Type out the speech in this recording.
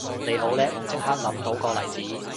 你好叻即刻諗到例子